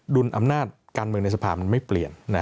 ดุลอำนาจการเมืองในสภามันไม่เปลี่ยน